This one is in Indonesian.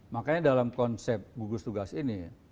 makanya dalam konsep gugus tugas ini